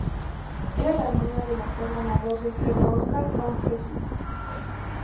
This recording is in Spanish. Era la hermana del actor ganador del Premio Oscar Van Heflin.